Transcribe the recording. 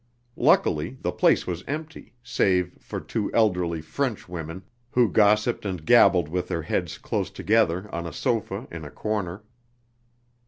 Luckily, the place was empty, save for two elderly French women, who gossiped and gabbled with their heads close together on a sofa in a corner.